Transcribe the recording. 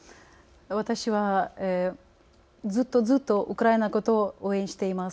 私はずっとずっとウクライナのことを応援しています。